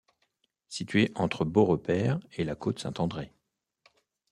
Situé entre Beaurepaire et La Côte-Saint-André.